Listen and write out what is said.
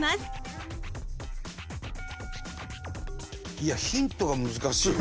いやヒントが難しいわ。